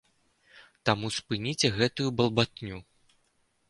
Таму спыніце гэтую балбатню!